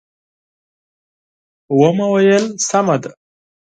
و مې ویل: سمه ده.